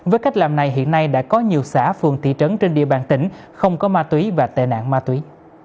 với cách làm này hiện nay đã có nhiều xã phường thị trấn trên địa bàn tỉnh không có ma túy và tệ nạn ma túy